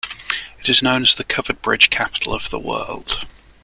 It is known as "The Covered Bridge Capital of the World".